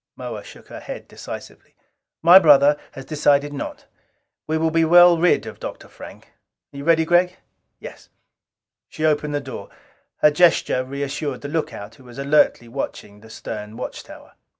Moa shook her head decisively. "My brother has decided not. We will be well rid of Dr. Frank. Are you ready, Gregg?" "Yes." She opened the door. Her gesture reassured the lookout, who was alertly watching the stern watchtower.